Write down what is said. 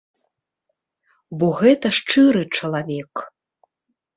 Бо гэта шчыры чалавек.